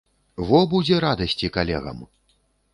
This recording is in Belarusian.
Во будзе радасці калегам!